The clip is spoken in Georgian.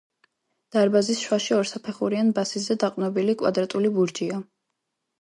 დარბაზის შუაში ორსაფეხურიან ბაზისზე დაყრდნობილი კვადრატული ბურჯია.